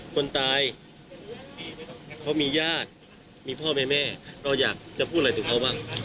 คนตายเขามีญาติมีพ่อแม่เราอยากจะพูดอะไรถึงเขาบ้าง